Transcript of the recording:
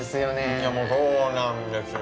いやもうそうなんですよ。